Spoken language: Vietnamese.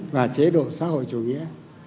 và chế độ xã hội chủ nghĩa